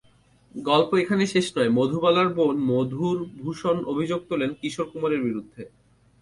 গল্প এখানেই শেষ নয়, মধুবালার বোন মধুর ভূষণ অভিযোগ তোলেন কিশোর কুমারের বিরুদ্ধে।